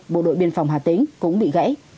bộ đội biên phòng hà tĩnh cũng bị gãy